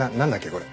これ。